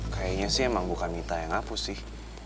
kayaknya sih emang bukan mita yang aku sih